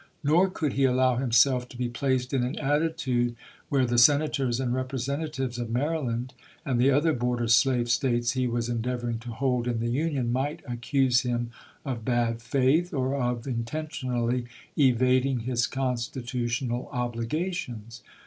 Nor could he allow himself THE CONTKABAND 391 to be placed in an attitude where the Senators and ch. xxii. Representatives of Maryland and the other border slave States he was endeavoring to hold in the Union might accuse him of bad faith, or of inten tionally evading his constitutional obligations.